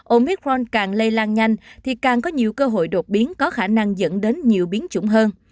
omicron càng lây lan nhanh thì càng có nhiều cơ hội đột biến có khả năng dẫn đến nhiều biến chủng hơn